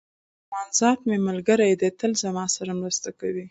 رحمان ذات مي ملګری دئ! تل زما سره مرسته کوي.